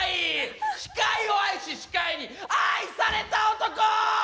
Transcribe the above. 司会を愛し司会に愛された男！